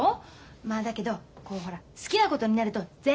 まあだけどこうほら好きなことになるとぜんぶ吹っ飛ぶ。